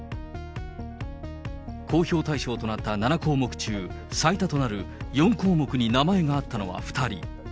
公表対象となった７項目中、最多となる４項目に名前があったのは２人。